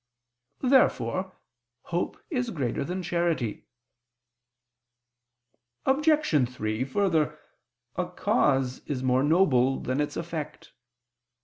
Therefore hope is greater than charity. Obj. 3: Further, a cause is more noble than its effect.